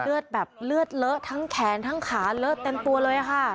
เดี๋ยวแบบเลือดเลิกกันทั้งแขนทั้งขาเลิกเต็มตัวเลยครับ